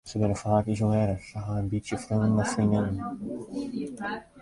Se binne faak isolearre, se ha in bytsje freonen of freondinnen.